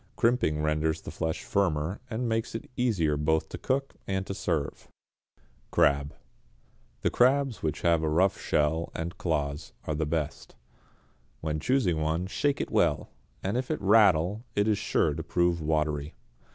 Crimping renders the flesh firmer, and makes it easier both to cook and to serve. =Crab.= The crabs which have a rough shell and claws are the best. When choosing one shake it well; if it rattle it is sure to prove watery.